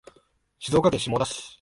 静岡県下田市